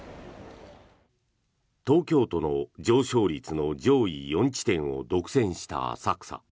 東京都の上昇率の上位４地点を独占した浅草。